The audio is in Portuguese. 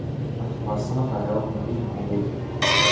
A população da favela convive com o medo.